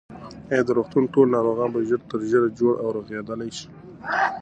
ایا د روغتون ټول ناروغان به ژر تر ژره جوړ او رغېدلي شي؟